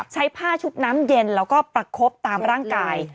ใช้ผ้าชุบน้ำเย็นแล้วก็ประคบตามร่างกาย